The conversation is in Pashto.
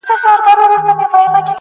چي ښکلي سترګي ستا وویني,